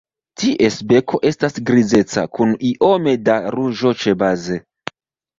Ties beko estas grizeca kun iome da ruĝo ĉebaze.